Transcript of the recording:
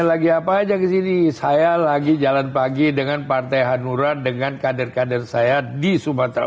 lagi apa aja kesini saya lagi jalan pagi dengan partai hanura dengan kader kader saya di sumatera